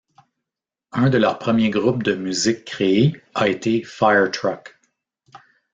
Un de leurs premiers groupes de musique créé a été Firetruck.